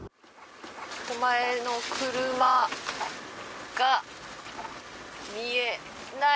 手前の車が見えない。